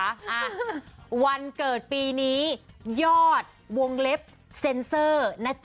อ่ะวันเกิดปีนี้ยอดวงเล็บเซ็นเซอร์นะจ๊